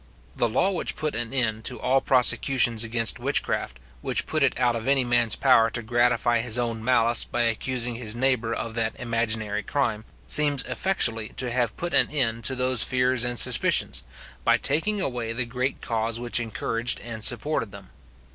The law which put an end to all prosecutions against witchcraft, which put it out of any man's power to gratify his own malice by accusing his neighbour of that imaginary crime, seems effectually to have put an end to those fears and suspicions, by taking away the great cause which encouraged and supported them.